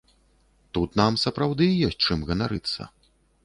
Тут нам сапраўды ёсць чым ганарыцца.